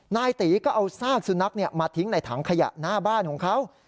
นายตีก็เอาซากสุนัขมาทิ้งในถังขยะหน้าบ้านของเขา